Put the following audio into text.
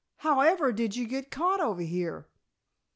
However did you get caught over here?"